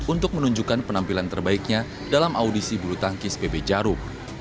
untuk menunjukkan penampilan terbaiknya dalam audisi bulu tangkis pb jarum